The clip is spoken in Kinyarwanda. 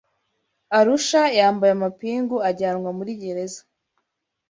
Arusha yambaye amapingu ajyanwa muri gereza